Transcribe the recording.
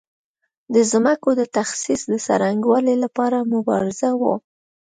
د ځمکو د تخصیص د څرنګوالي لپاره مبارزه وه.